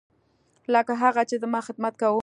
لکه هغه چې زما خدمت کاوه.